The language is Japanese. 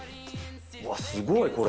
うわっ、すごい、これ。